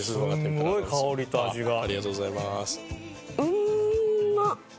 うんまっ！